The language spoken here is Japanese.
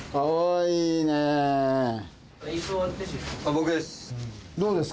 僕です。